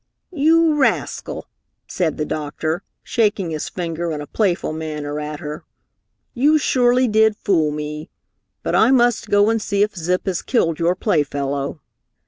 "You rascal!" said the doctor, shaking his finger in a playful manner at her. "You surely did fool me! But I must go and see if Zip has killed your playfellow."